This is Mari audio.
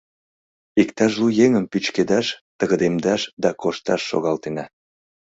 Иктаж лу еҥым пӱчкедаш, тыгыдемдаш да кошташ шогалтена.